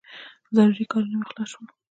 ضروري کارونه مې خلاص شول.